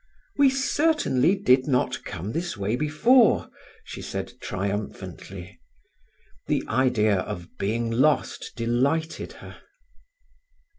"We certainly did not come this way before," she said triumphantly. The idea of being lost delighted her.